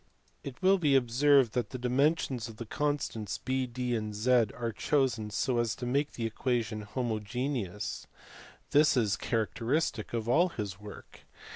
It will be observed that the dimensions of the constants (B, D, and Z) are chosen so as to make the equation homogeneous : this is characteristic of all his work.